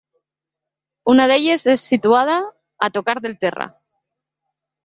Una d’elles és situada a tocar del terra.